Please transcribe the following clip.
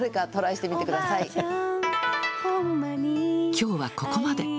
きょうはここまで。